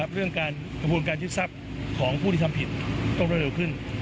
เรื่องการยึดทรัพย์ของผู้ที่ทำผิดต้องเร็วขึ้น